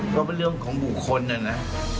ก็เป็นเรื่องของบุคคลนะนะ